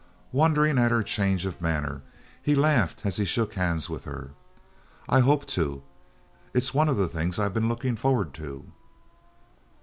Wondering at her change of manner, he laughed as he shook hands with her. "I hoped to it's one of the things I've been looking forward to."